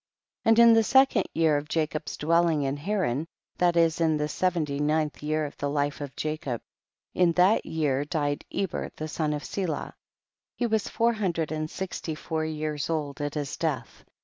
15. And in the second year of Ja cob's dwelling in Haran, that is in the seventy ninth year of the life of Jacob, in that year died Eber the son of Selah, he was four hundred and sixty four years old at his death.